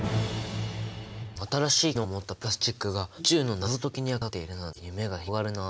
新しい機能を持ったプラスチックが宇宙の謎解きに役立っているなんて夢が広がるなあ。